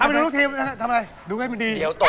เอาไปดูทีมดูให้มันดี